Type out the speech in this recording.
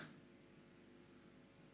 tunda semua rencana kepergian